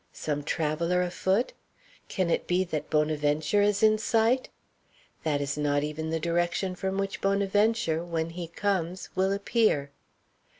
Some traveller afoot? Can it be that Bonaventure is in sight? That is not even the direction from which Bonaventure, when he comes, will appear.